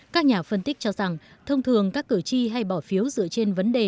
các nhà phân tích cho rằng thông thường các cử tri hay bỏ phiếu dựa trên vấn đề